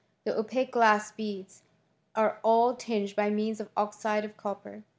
The opaque glass beads are all tinged by means of oxide of copper.